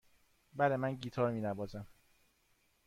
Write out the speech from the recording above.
بله، من گیتار می نوازم.